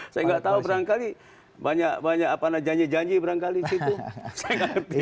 saya tidak tahu barangkali banyak banyak apa namanya janji janji barangkali di situ saya tidak pilih